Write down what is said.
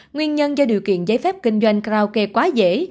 nguyên nhân do điều kiện giấy phép kinh doanh karaoke quá dễ